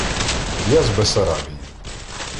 Я з Бесарабії.